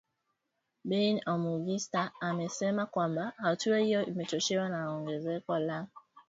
Bain Omugisa amesema kwamba hatua hiyo imechochewa na ongezeko la